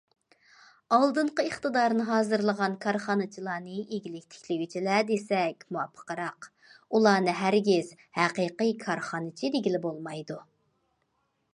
ئالدىنقى ئىقتىدارنى ھازىرلىغان كارخانىچىلارنى ئىگىلىك تىكلىگۈچىلەر، دېسەك مۇۋاپىقراق، ئۇلارنى ھەرگىز ھەقىقىي كارخانىچى دېگىلى بولمايدۇ.